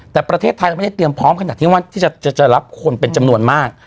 แต่ประเทศไทยเราไม่ได้เตรียมพร้อมขนาดที่ว่าที่จะรับคนเป็นจำนวนมาก